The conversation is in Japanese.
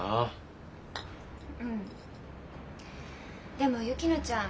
でも薫乃ちゃん